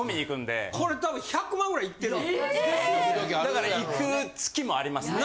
だからいく月もありますね。